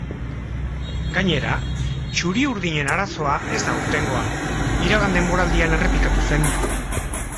Gainera, txuri-urdinen arazoa ez da aurtengoa, iragan denboraldian errepikatu zen.